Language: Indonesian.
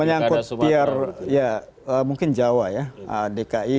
menyangkut pr mungkin jawa ya dki